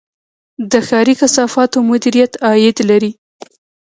د ښاري کثافاتو مدیریت عاید لري